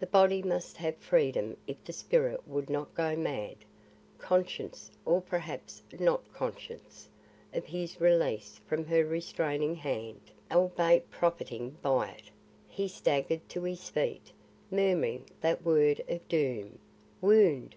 The body must have freedom if the spirit would not go mad. Conscious, or perhaps not conscious, of his release from her restraining hand, albeit profiting by it, he staggered to his feet, murmuring that word of doom: "Wound!